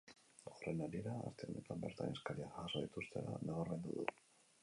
Horren harira, aste honetan bertan eskariak jaso dituztela nabarmendu du.